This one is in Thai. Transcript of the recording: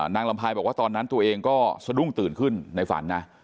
นางลำพายบอกว่าตอนนั้นตัวเองก็สะดุ้งตื่นขึ้นในฝันนะ